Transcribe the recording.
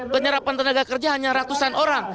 penyerapan tenaga kerja hanya ratusan orang